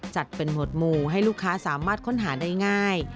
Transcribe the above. จัดเป็นหวดหมู่ให้ลูกค้าสามารถค้นหาได้ง่าย